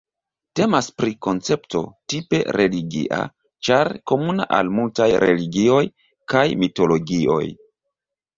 Temas pri koncepto tipe religia ĉar komuna al multaj religioj kaj mitologioj.